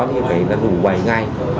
thì phải là đủ bảy ngày